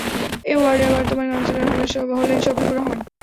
এ ওয়ার্ডের বর্তমান কাউন্সিলর হলেন শফিকুর রহমান।